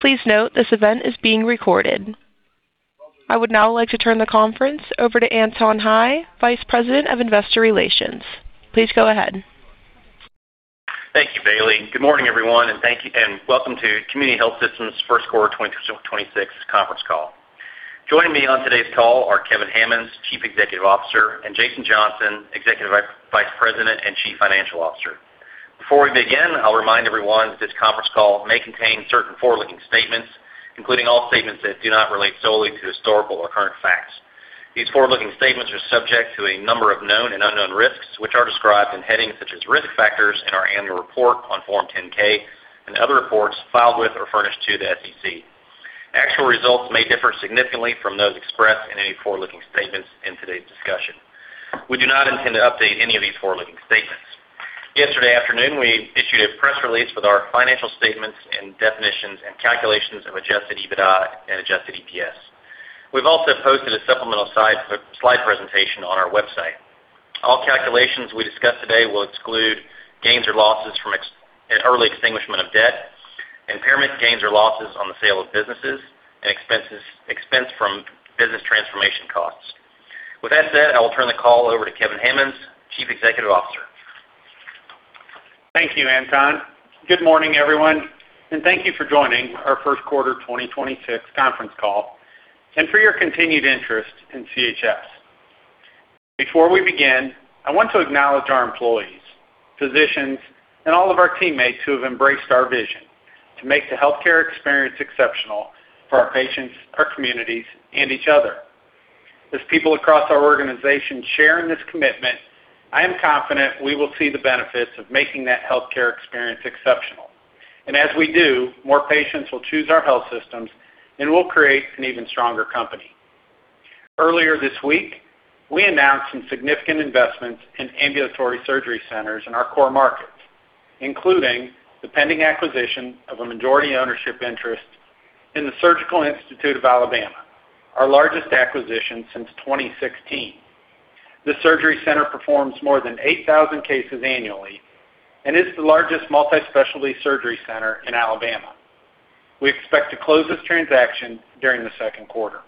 Please note this event is being recorded. I would now like to turn the conference over to Anton Hie, Vice President of Investor Relations. Please go ahead. Thank you, Bailey, and good morning, everyone, and welcome to Community Health Systems' first quarter 2026 conference call. Joining me on today's call are Kevin Hammons, Chief Executive Officer, and Jason Johnson, Executive Vice President and Chief Financial Officer. Before we begin, I'll remind everyone that this conference call may contain certain forward-looking statements, including all statements that do not relate solely to historical or current facts. These forward-looking statements are subject to a number of known and unknown risks, which are described in headings such as Risk Factors in our annual report on Form 10-K and other reports filed with or furnished to the SEC. Actual results may differ significantly from those expressed in any forward-looking statements in today's discussion. We do not intend to update any of these forward-looking statements. Yesterday afternoon, we issued a press release with our financial statements and definitions and calculations of adjusted EBITDA and adjusted EPS. We've also posted a supplemental slide presentation on our website. All calculations we discuss today will exclude gains or losses from early extinguishment of debt, impairment gains or losses on the sale of businesses, and expense from business transformation costs. With that said, I will turn the call over to Kevin Hammons, Chief Executive Officer. Thank you, Anton. Good morning, everyone, and thank you for joining our first quarter 2026 conference call and for your continued interest in CHS. Before we begin, I want to acknowledge our employees, physicians, and all of our teammates who have embraced our vision to make the healthcare experience exceptional for our patients, our communities, and each other. As people across our organization share in this commitment, I am confident we will see the benefits of making that healthcare experience exceptional. As we do, more patients will choose our health systems, and we'll create an even stronger company. Earlier this week, we announced some significant investments in ambulatory surgery centers in our core markets, including the pending acquisition of a majority ownership interest in the Surgical Institute of Alabama, our largest acquisition since 2016. This surgery center performs more than 8,000 cases annually and is the largest multi-specialty surgery center in Alabama. We expect to close this transaction during the second quarter.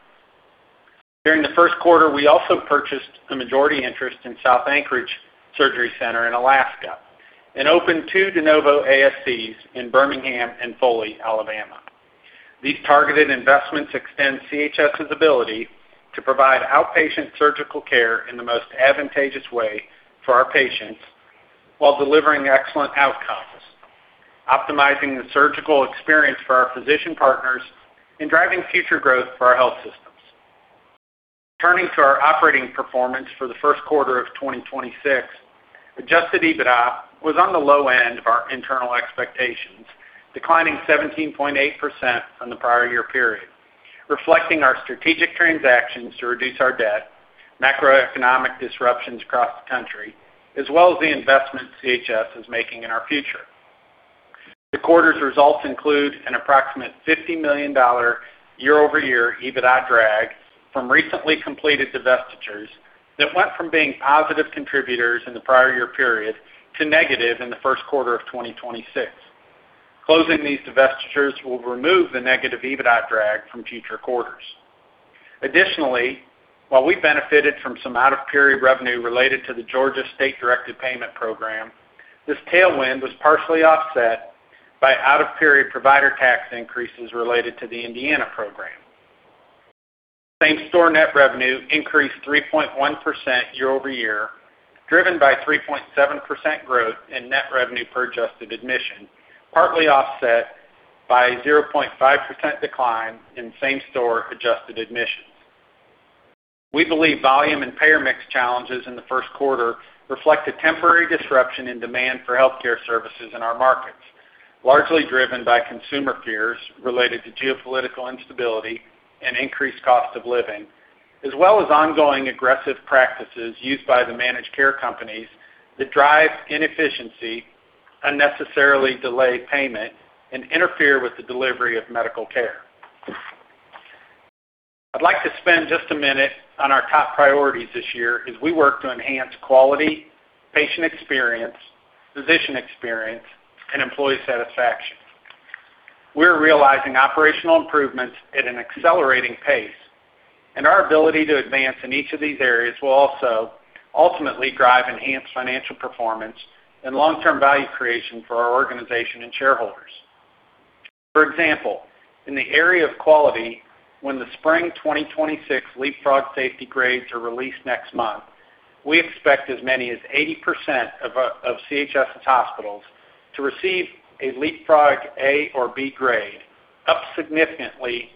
During the first quarter, we also purchased a majority interest in South Anchorage Surgery Center in Alaska and opened 2 de novo ASCs in Birmingham and Foley, Alabama. These targeted investments extend CHS's ability to provide outpatient surgical care in the most advantageous way for our patients while delivering excellent outcomes, optimizing the surgical experience for our physician partners, and driving future growth for our health systems. Turning to our operating performance for the first quarter of 2026, adjusted EBITDA was on the low end of our internal expectations, declining 17.8% from the prior year period, reflecting our strategic transactions to reduce our debt, macroeconomic disruptions across the country, as well as the investments CHS is making in our future. The quarter's results include an approximate $50 million year-over-year EBITDA drag from recently completed divestitures that went from being positive contributors in the prior year period to negative in the first quarter of 2026. Closing these divestitures will remove the negative EBITDA drag from future quarters. Additionally, while we benefited from some out-of-period revenue related to the Georgia Directed Payment Program, this tailwind was partially offset by out-of-period provider tax increases related to the Indiana program. Same-store net revenue increased 3.1% year-over-year, driven by 3.7% growth in net revenue per adjusted admission, partly offset by a 0.5% decline in same-store adjusted admissions. We believe volume and payer mix challenges in the first quarter reflect a temporary disruption in demand for healthcare services in our markets, largely driven by consumer fears related to geopolitical instability and increased cost of living, as well as ongoing aggressive practices used by the managed care companies that drive inefficiency, unnecessarily delay payment, and interfere with the delivery of medical care. I'd like to spend just a minute on our top priorities this year as we work to enhance quality, patient experience, physician experience, and employee satisfaction. We're realizing operational improvements at an accelerating pace, and our ability to advance in each of these areas will also ultimately drive enhanced financial performance and long-term value creation for our organization and shareholders. For example, in the area of quality, when the Spring 2026 Leapfrog safety grades are released next month, we expect as many as 80% of CHS's hospitals to receive a Leapfrog A or B grade, up significantly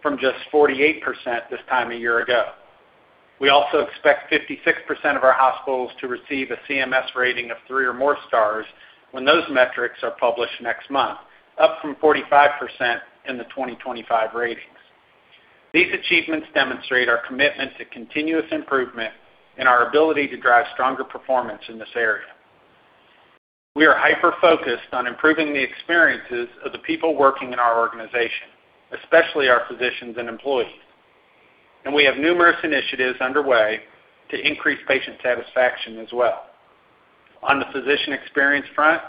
from just 48% this time a year ago. We also expect 56% of our hospitals to receive a CMS rating of three or more stars when those metrics are published next month, up from 45% in the 2025 ratings. These achievements demonstrate our commitment to continuous improvement and our ability to drive stronger performance in this area. We are hyper-focused on improving the experiences of the people working in our organization, especially our physicians and employees. We have numerous initiatives underway to increase patient satisfaction as well. On the physician experience front,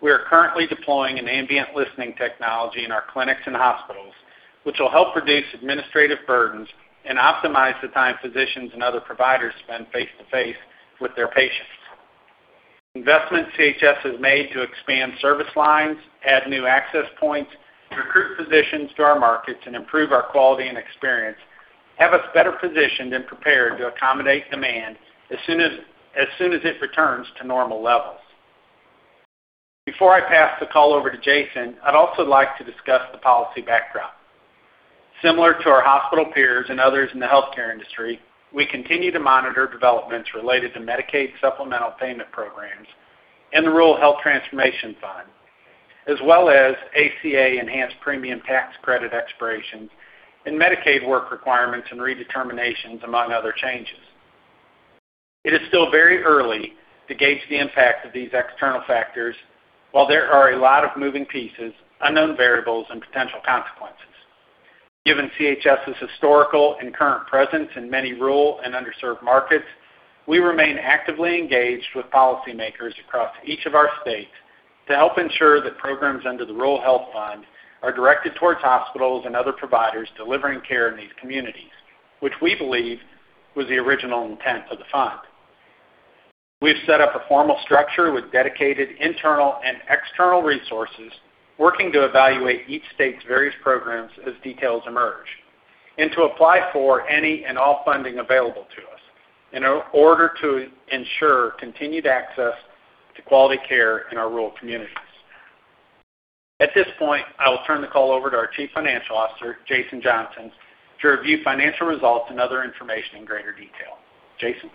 we are currently deploying an ambient listening technology in our clinics and hospitals, which will help reduce administrative burdens and optimize the time physicians and other providers spend face-to-face with their patients. Investments CHS has made to expand service lines, add new access points, recruit physicians to our markets, and improve our quality and experience, have us better positioned and prepared to accommodate demand as soon as it returns to normal levels. Before I pass the call over to Jason, I'd like to discuss the policy backdrop. Similar to our hospital peers and others in the healthcare industry, we continue to monitor developments related to Medicaid supplemental payment programs and the Rural Health Transformation Program, as well as ACA enhanced premium tax credit expirations and Medicaid work requirements and redeterminations, among other changes. It is still very early to gauge the impact of these external factors, while there are a lot of moving pieces, unknown variables, and potential consequences. Given CHS's historical and current presence in many rural and underserved markets, we remain actively engaged with policymakers across each of our states to help ensure that programs under the Rural Health Fund are directed towards hospitals and other providers delivering care in these communities, which we believe was the original intent of the fund. We've set up a formal structure with dedicated internal and external resources, working to evaluate each state's various programs as details emerge, and to apply for any and all funding available to us in order to ensure continued access to quality care in our rural communities. At this point, I will turn the call over to our Chief Financial Officer, Jason Johnson, to review financial results and other information in greater detail. Jason?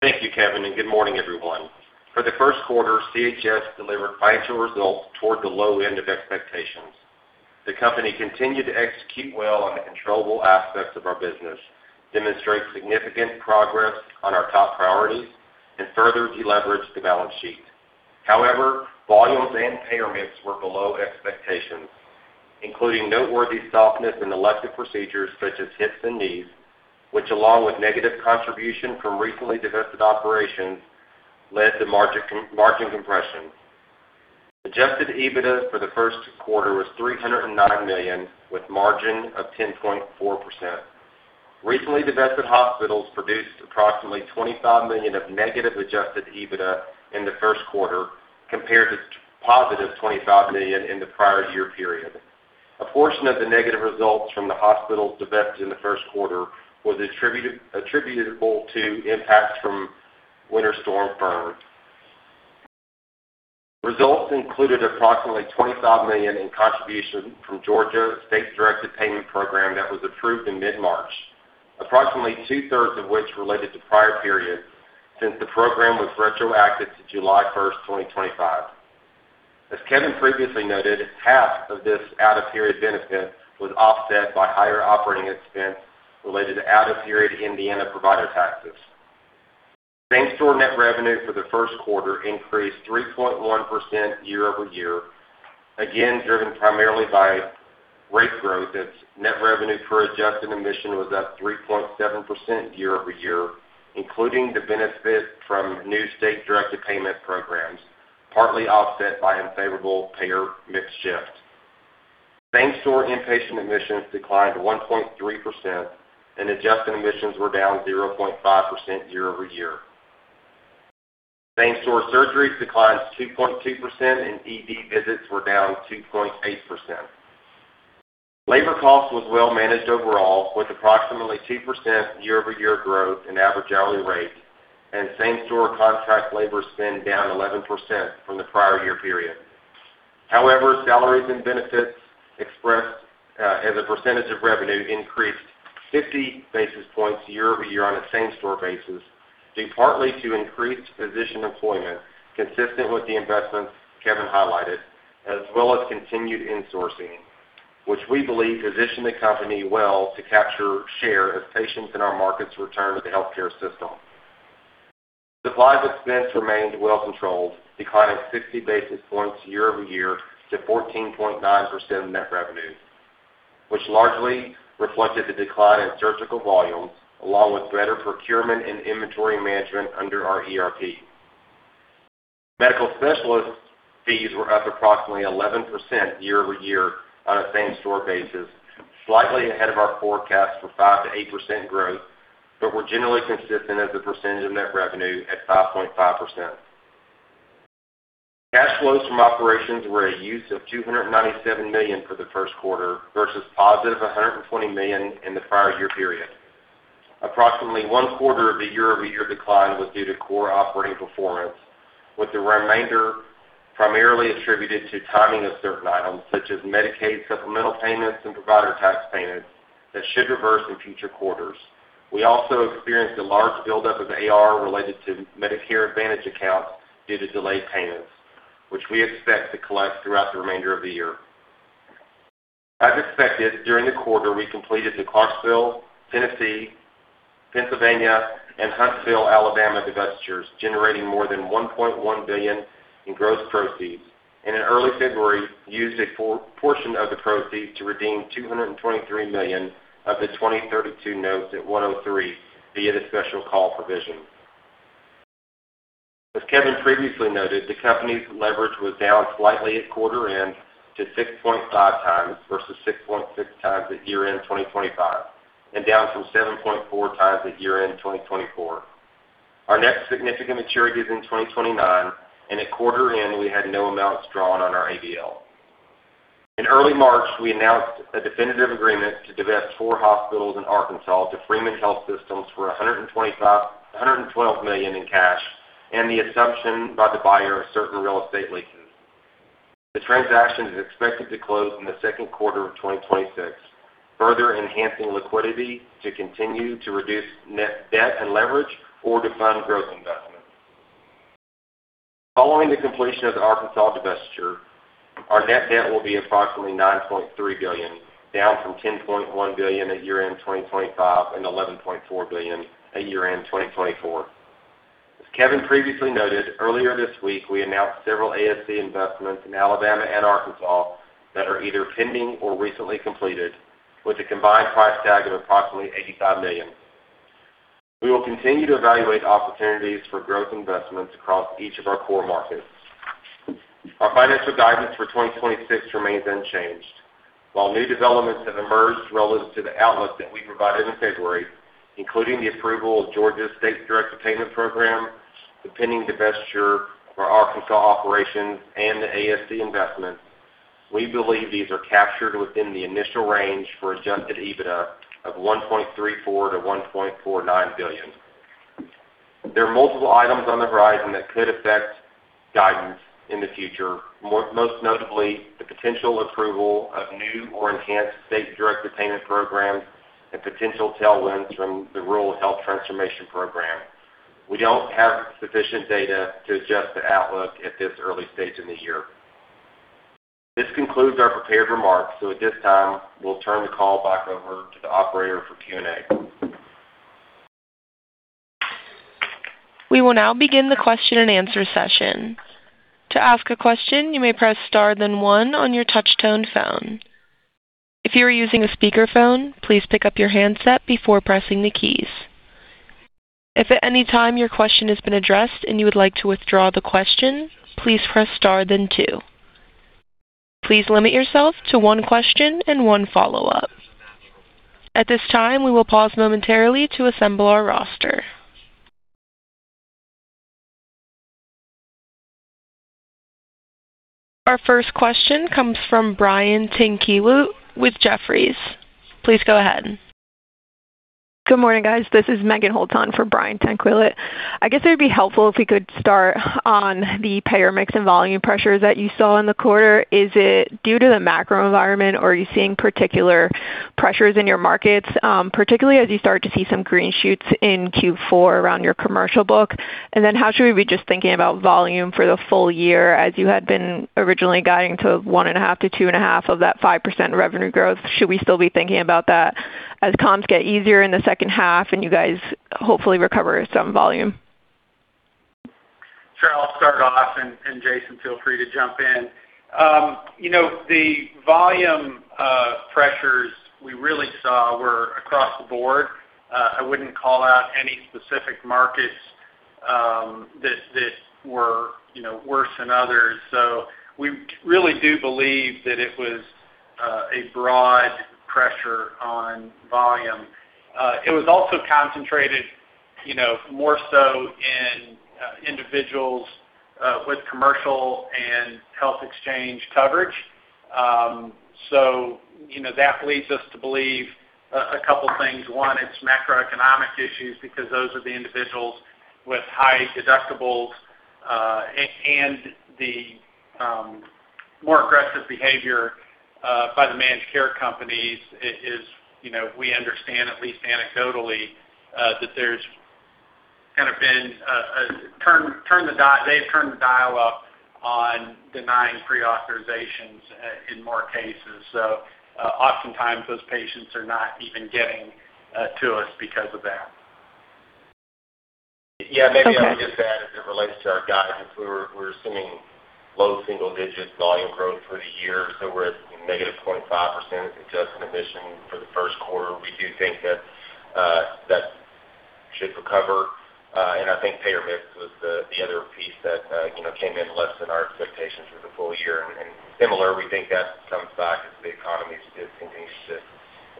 Thank you, Kevin, and good morning, everyone. For the first quarter, CHS delivered financial results toward the low end of expectations. The company continued to execute well on the controllable aspects of our business, demonstrate significant progress on our top priorities, and further deleverage the balance sheet. However, volumes and payer mix were below expectations, including noteworthy softness in elective procedures such as hips and knees, which, along with negative contribution from recently divested operations, led to margin compression. Adjusted EBITDA for the first quarter was $309 million with margin of 10.4%. Recently divested hospitals produced approximately $25 million of negative adjusted EBITDA in the first quarter compared to +$25 million in the prior year period. A portion of the negative results from the hospitals divested in the first quarter was attributable to impacts from Winter Storm Gianna. Results included approximately $25 million in contribution from Georgia Directed Payment Program that was approved in mid-March. Approximately two-thirds of which related to prior periods, since the program was retroactive to July 1st, 2025. As Kevin previously noted, half of this out-of-period benefit was offset by higher operating expense related to out-of-period Indiana provider taxes. Same-store net revenue for the first quarter increased 3.1% year-over-year, again, driven primarily by rate growth as net revenue per adjusted admission was up 3.7% year-over-year, including the benefit from new state-directed payment programs, partly offset by unfavorable payer mix shift. Same-store inpatient admissions declined 1.3%, and adjusted admissions were down 0.5% year-over-year. Same-store surgeries declined 2.2%, and ED visits were down 2.8%. Labor cost was well managed overall with approximately 2% year-over-year growth in average hourly rate and same-store contract labor spend down 11% from the prior year period. However, salaries and benefits expressed as a percentage of revenue increased 50 basis points year-over-year on a same-store basis, due partly to increased physician employment consistent with the investments Kevin highlighted, as well as continued insourcing, which we believe position the company well to capture share as patients in our markets return to the healthcare system. Supply expense remained well controlled, declining 60 basis points year-over-year to 14.9% of net revenue, which largely reflected the decline in surgical volumes along with better procurement and inventory management under our ERP. Medical specialist fees were up approximately 11% year-over-year on a same-store basis, slightly ahead of our forecast for 5%-8% growth, but were generally consistent as a percentage of net revenue at 5.5%. Cash flows from operations were a use of $297 million for the first quarter versus +$120 million in the prior year period. Approximately one quarter of the year-over-year decline was due to core operating performance, with the remainder primarily attributed to timing of certain items such as Medicaid supplemental payments and provider tax payments that should reverse in future quarters. We also experienced a large buildup of AR related to Medicare Advantage accounts due to delayed payments, which we expect to collect throughout the remainder of the year. As expected, during the quarter, we completed the Clarksville, Tennessee, Pennsylvania and Huntsville, Alabama divestitures, generating more than $1.1 billion in gross proceeds, and in early February, used a portion of the proceeds to redeem $223 million of the 2032 notes at 103 via the special call provision. Kevin previously noted, the company's leverage was down slightly at quarter end to 6.5x versus 6.6x at year-end 2025, and down from 7.4x at year-end 2024. Our next significant maturity is in 2029, and at quarter end, we had no amounts drawn on our ABL. In early March, we announced a definitive agreement to divest four hospitals in Arkansas to Freeman Health System for $112 million in cash and the assumption by the buyer of certain real estate leases. The transaction is expected to close in the second quarter of 2026, further enhancing liquidity to continue to reduce net debt and leverage or to fund growth investments. Following the completion of the Arkansas divestiture, our net debt will be approximately $9.3 billion, down from $10.1 billion at year-end 2025 and $11.4 billion at year-end 2024. As Kevin previously noted, earlier this week, we announced several ASC investments in Alabama and Arkansas that are either pending or recently completed, with a combined price tag of approximately $85 million. We will continue to evaluate opportunities for growth investments across each of our core markets. Our financial guidance for 2026 remains unchanged. While new developments have emerged relative to the outlook that we provided in February, including the approval of Georgia Directed Payment Program, the pending divestiture of our Arkansas operations, and the ASC investments, we believe these are captured within the initial range for adjusted EBITDA of $1.34 billion-$1.49 billion. There are multiple items on the horizon that could affect guidance in the future, most notably the potential approval of new or enhanced state direct payment programs and potential tailwinds from the Rural Health Transformation Program. We don't have sufficient data to adjust the outlook at this early stage in the year. This concludes our prepared remarks. At this time, we'll turn the call back over to the operator for Q&A. We will now begin the question-and-answer session. To ask a question, you may press star then one on your touch tone phone. If you are using a speakerphone, please pick up your handset before pressing the keys. If at any time your question has been addressed and you would like to withdraw the question, please press star then two. Please limit yourself to one question and one follow-up. At this time, we will pause momentarily to assemble our roster. Our first question comes from Brian Tanquilut with Jefferies. Please go ahead. Good morning, guys. This is Meghan Holtz for Brian Tanquilut. I guess it would be helpful if we could start on the payer mix and volume pressures that you saw in the quarter. Is it due to the macro environment, or are you seeing particular pressures in your markets, particularly as you start to see some green shoots in Q4 around your commercial book? How should we be just thinking about volume for the full year as you had been originally guiding to 1.5%-2.5% of that 5% revenue growth? Should we still be thinking about that as comps get easier in the second half and you guys hopefully recover some volume? Sure. I'll start off, and Jason, feel free to jump in. The volume pressures we really saw were across the board. I wouldn't call out any specific markets that were worse than others. We really do believe that it was a broad pressure on volume. It was also concentrated more so in individuals with commercial and health exchange coverage. That leads us to believe a couple things. One, it's macroeconomic issues, because those are the individuals with high deductibles. The more aggressive behavior by the managed care companies is, we understand, at least anecdotally, that they've turned the dial up on denying pre-authorizations in more cases. Oftentimes, those patients are not even getting to us because of that. Okay. Yeah, maybe I would just add, as it relates to our guidance, we're assuming low single digit volume growth for the year. We're at -0.5% as adjusted admission for the first quarter. We do think that should recover. I think payer mix was the other piece that came in less than our expectations for the full year. Similar, we think that comes back as the economy continues to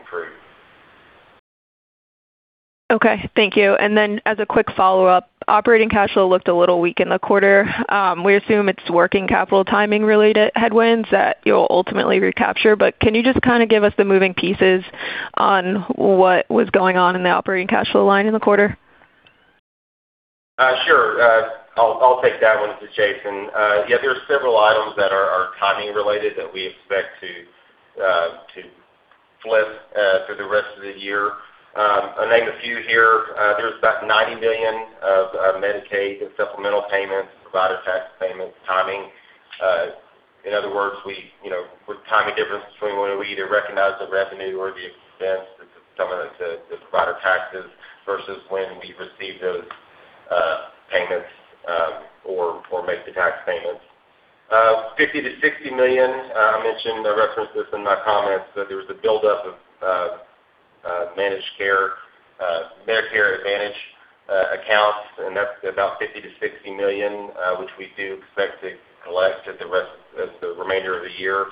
improve. Okay, thank you. As a quick follow-up, operating cash flow looked a little weak in the quarter. We assume it's working capital timing related headwinds that you'll ultimately recapture, but can you just give us the moving pieces on what was going on in the operating cash flow line in the quarter? Sure. I'll take that one, too, Jason. Yeah, there are several items that are timing related that we expect to flip through the rest of the year. I'll name a few here. There's about $90 million of Medicaid supplemental payments, provider tax payments, timing. In other words, with timing difference between when we either recognize the revenue or the expense, some of it to provider taxes versus when we receive those payments or make the tax payments. $50 million-$60 million, I mentioned, I referenced this in my comments, that there was a buildup of managed care, Medicare Advantage accounts, and that's about $50 million-$60 million, which we do expect to collect in the remainder of the year.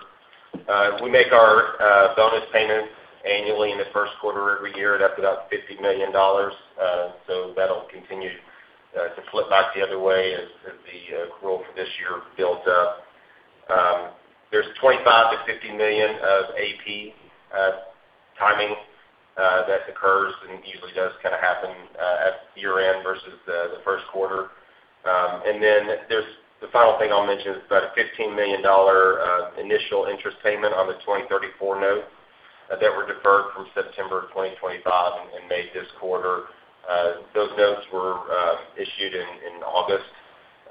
We make our bonus payments annually in the first quarter every year. That's about $50 million. That'll continue to flip back the other way as the accrual for this year builds up. There's $25 million-$50 million of AP timing that occurs and usually does happen at year-end versus the first quarter. The final thing I'll mention is about a $15 million initial interest payment on the 2034 notes that were deferred from September 2025 and made this quarter. Those notes were issued in August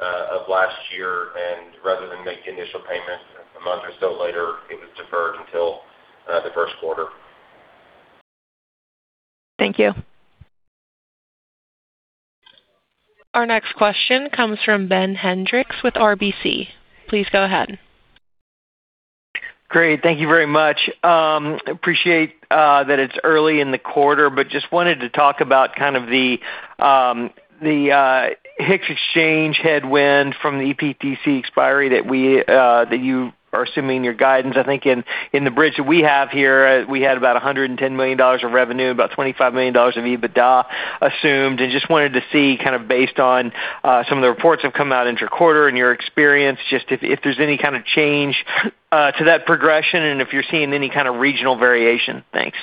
of last year, and rather than make the initial payment a month or so later, it was deferred until the first quarter. Thank you. Our next question comes from Ben Hendrix with RBC. Please go ahead. Great. Thank you very much. Appreciate that it's early in the quarter, but just wanted to talk about the HIX exchange headwind from the EPTC expiry that you are assuming in your guidance. I think in the bridge that we have here, we had about $110 million of revenue and about $25 million of EBITDA assumed. Just wanted to see, based on some of the reports that have come out intra-quarter, in your experience, just if there's any kind of change to that progression and if you're seeing any kind of regional variation. Thanks.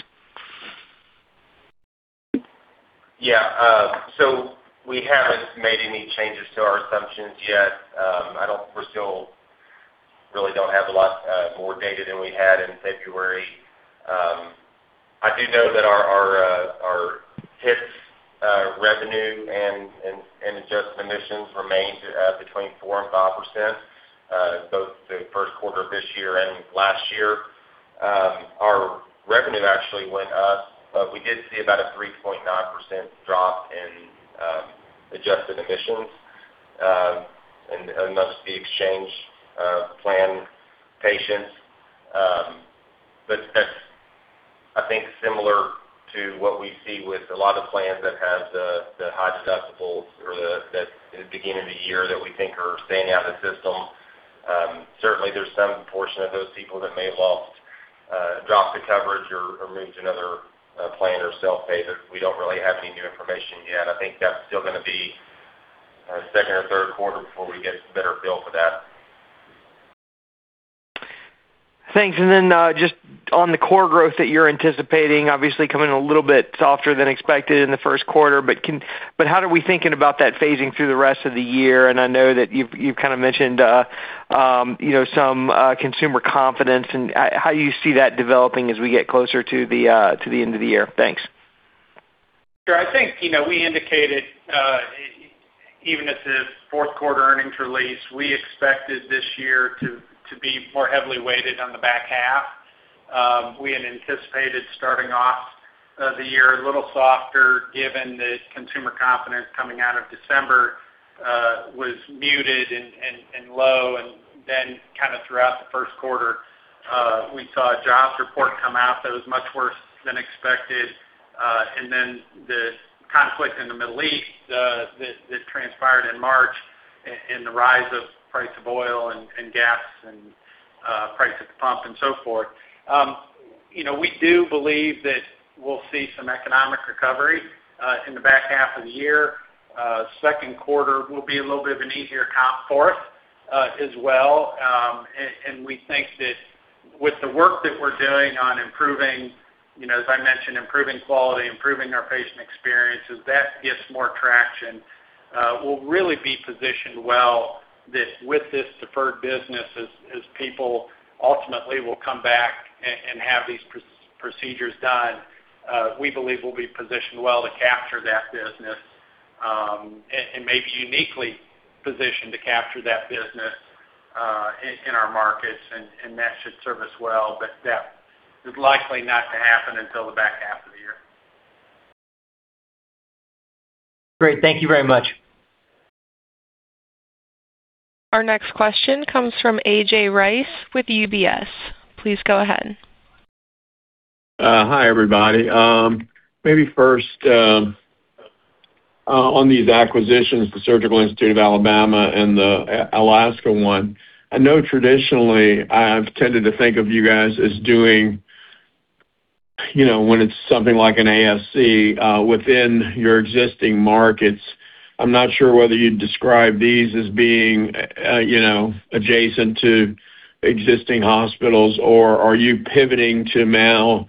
Yeah. We haven't made any changes to our assumptions yet. We still really don't have a lot more data than we had in February. I do know that our net revenue and adjusted admissions remain between 4%-5% in both the first quarter of this year and last year. Our revenue actually went up, but we did see about a 3.9% drop in adjusted admissions and most of the exchange plan patients. That's, I think, similar to what we see with a lot of plans that have the high deductibles or that at the beginning of the year that we think are staying out of the system. Certainly, there's some portion of those people that may have dropped the coverage or moved to another plan or self-pay, but we don't really have any new information yet. I think that's still going to be second or third quarter before we get a better feel for that. Thanks. Then just on the core growth that you're anticipating, obviously, coming in a little bit softer than expected in the first quarter, but how are we thinking about that phasing through the rest of the year? I know that you've mentioned some consumer confidence, and how you see that developing as we get closer to the end of the year. Thanks. Sure. I think we indicated, even at the fourth quarter earnings release, we expected this year to be more heavily weighted on the back half. We had anticipated starting off the year a little softer given that consumer confidence coming out of December was muted and low. Throughout the first quarter, we saw a jobs report come out that was much worse than expected. The conflict in the Middle East that transpired in March and the rise in price of oil and gas and price at the pump and so forth. We do believe that we'll see some economic recovery in the back half of the year. Second quarter will be a little bit of an easier comp for us, as well. We think that with the work that we're doing on improving, as I mentioned, improving quality, improving our patient experiences, that gets more traction. We'll really be positioned well with this deferred business as people ultimately will come back and have these procedures done. We believe we'll be positioned well to capture that business, and maybe uniquely positioned to capture that business in our markets, and that should serve us well. That is likely not to happen until the back half of the year. Great. Thank you very much. Our next question comes from A.J. Rice with UBS. Please go ahead. Hi, everybody. Maybe first, on these acquisitions, the Surgical Institute of Alabama and the Alaska one, I know traditionally, I've tended to think of you guys as doing, when it's something like an ASC within your existing markets. I'm not sure whether you'd describe these as being adjacent to existing hospitals, or are you pivoting to now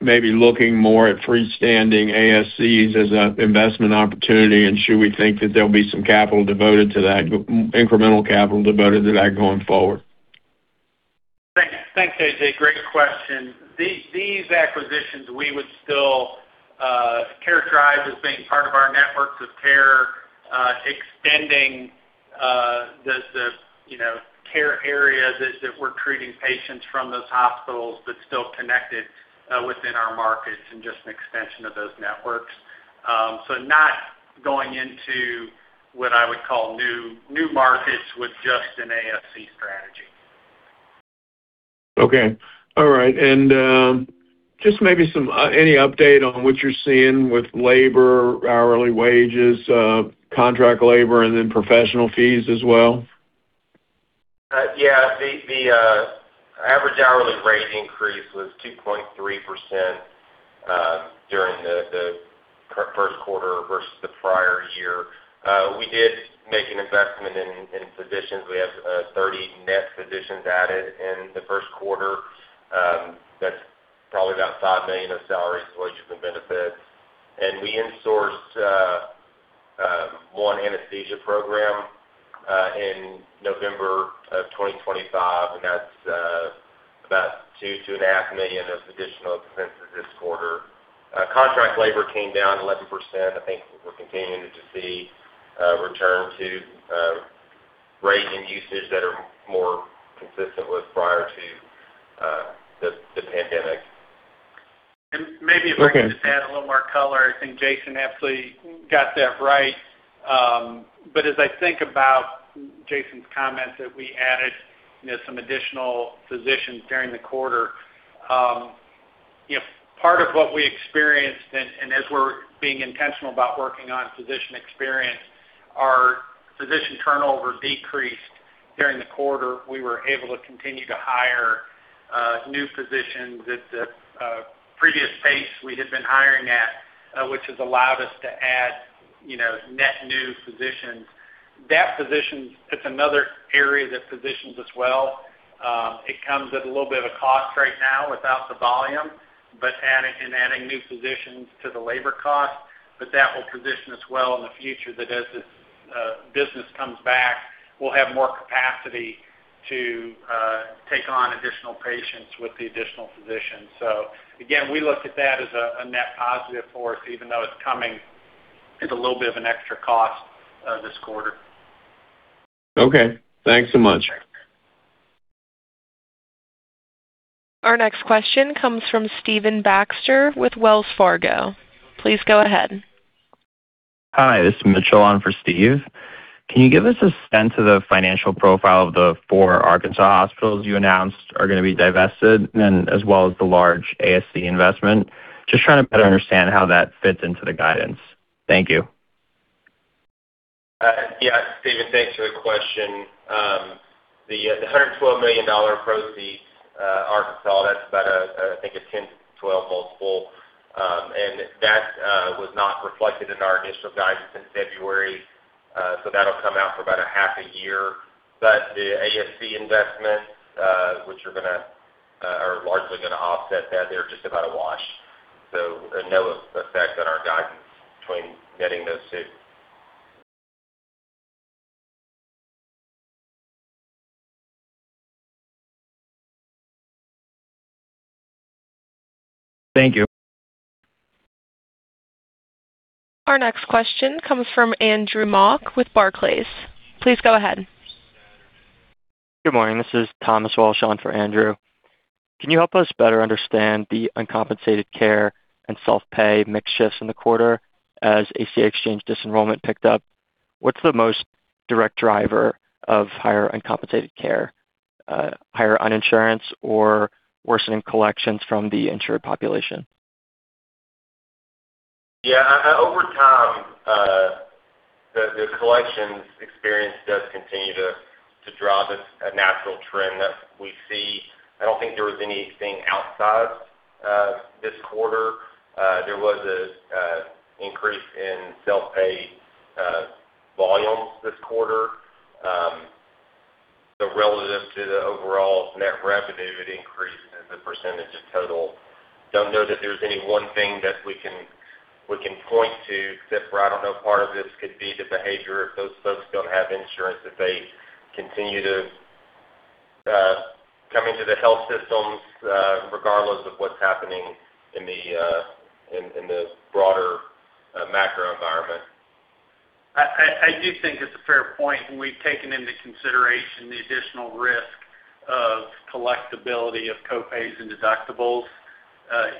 maybe looking more at freestanding ASCs as an investment opportunity? Should we think that there'll be some incremental capital devoted to that going forward? Thanks, A.J. Great question. These acquisitions, we would still characterize as being part of our networks of care, extending the care areas that we're treating patients from those hospitals, but still connected within our markets and just an extension of those networks. Not going into what I would call new markets with just an ASC strategy. Okay. All right. Just maybe any update on what you're seeing with labor, hourly wages, contract labor, and then professional fees as well? Yeah. The average hourly rate increase was 2.3% during the first quarter versus the prior year. We did make an investment in physicians. We have 30 net physicians added in the first quarter. That's probably about $5 million of salaries, wages, and benefits. We insourced one anesthesia program in November 2025, and that's about $2 million-$2.5 million of additional expenses this quarter. Contract labor came down 11%. I think we're continuing to see a return to rate and usage that are more consistent with prior to the pandemic. Okay. Maybe if I can just add a little more color. I think Jason absolutely got that right. As I think about Jason's comments that we added some additional physicians during the quarter, part of what we experienced, and as we're being intentional about working on physician experience, our physician turnover decreased during the quarter. We were able to continue to hire new physicians at the previous pace we had been hiring at, which has allowed us to add net new physicians. That positions us well. It's another area that positions us well. It comes at a little bit of a cost right now without the volume, and adding new physicians to the labor cost, but that will position us well in the future, that as this business comes back, we'll have more capacity to take on additional patients with the additional physicians. Again, we look at that as a net positive for us, even though it's coming at a little bit of an extra cost this quarter. Okay. Thanks so much. Our next question comes from Stephen Baxter with Wells Fargo. Please go ahead. Hi, this is Mitchell on for Steve. Can you give us a sense of the financial profile of the four Arkansas hospitals you announced are going to be divested, and then as well as the large ASC investment? Just trying to better understand how that fits into the guidance. Thank you. Yeah. Stephen, thanks for the question. The $112 million proceeds, Arkansas, that's about, I think, a 10-12 multiple. That was not reflected in our initial guidance in February. That'll come out for about a half a year. The ASC investments, which are largely going to offset that, they're just about a wash. No effect on our guidance between netting those two. Thank you. Our next question comes from Andrew Mok with Barclays. Please go ahead. Good morning. This is Thomas Walsh on for Andrew. Can you help us better understand the uncompensated care and self-pay mix shifts in the quarter as ACA exchange disenrollment picked up? What's the most direct driver of higher uncompensated care, higher uninsurance or worsening collections from the insured population? Yeah. Over time, the collections experience does continue to draw this natural trend that we see. I don't think there was anything outside this quarter. There was an increase in self-pay volumes this quarter. Relative to the overall net revenue, it increased as a percentage of total. Don't know that there's any one thing that we can point to, except for, I don't know, part of this could be the behavior of those folks don't have insurance, that they continue to come into the health systems regardless of what's happening in the broader macro environment. I do think it's a fair point, and we've taken into consideration the additional risk of collectibility of co-pays and deductibles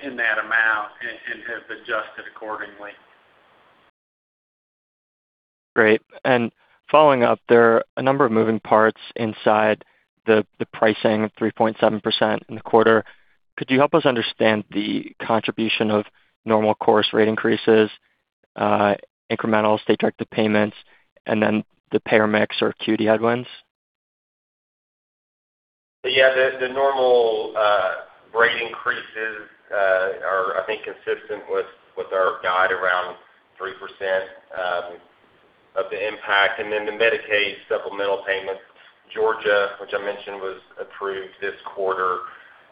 in that amount and have adjusted accordingly. Great. Following up, there are a number of moving parts inside the pricing of 3.7% in the quarter. Could you help us understand the contribution of normal course rate increases, incremental state directed payments, and then the payer mix or acuity headwinds? Yeah. The normal rate increases are, I think, consistent with our guide around 3% of the impact. Then the Medicaid supplemental payments, Georgia, which I mentioned, was approved this quarter.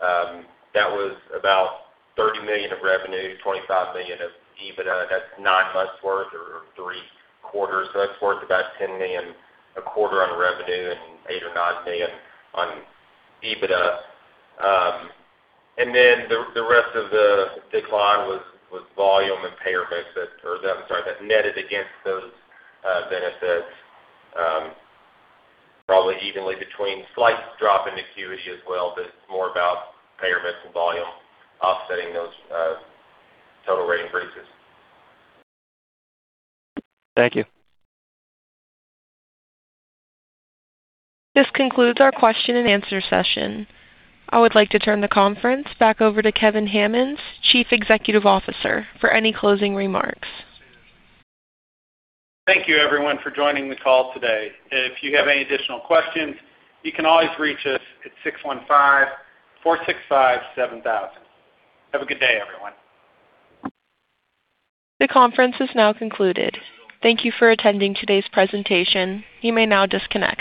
That was about $30 million of revenue, $25 million of EBITDA. That's nine months' worth or three quarters. That's worth about $10 million a quarter on revenue and $8 million or $9 million on EBITDA. Then the rest of the decline was volume and payer mix that netted against those benefits, probably evenly between slight drop in acuity as well, but it's more about payer mix and volume offsetting those total rate increases. Thank you. This concludes our question-and-answer session. I would like to turn the conference back over to Kevin Hammons, Chief Executive Officer, for any closing remarks. Thank you everyone for joining the call today. If you have any additional questions, you can always reach us at 615-465-7000. Have a good day, everyone. The conference is now concluded. Thank you for attending today's presentation. You may now disconnect.